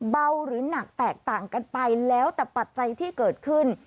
เบาหรือหนักแตกต่างกันไปแล้วแต่ปัจจัยที่เกิดขึ้น